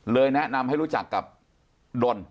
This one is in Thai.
แนะนำให้รู้จักกับดน